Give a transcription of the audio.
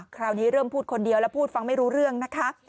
คราวนี้เริ่มพูดคนเดียวแล้วพูดฟังไม่รู้เรื่องนะคะ